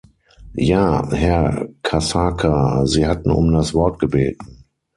Ja, Herr Casaca, Sie hatten um das Wort gebeten.